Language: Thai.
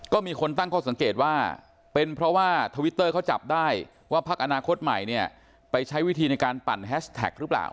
ก็มีคนตั้งข้อสังเกตว่าเป็นเพราะว่าทวิตเตอร์เขาจับได้ว่าพักอนาคตใหม่เนี่ยไปใช้วิธีในการปั่นแฮชแท็กหรือเปล่า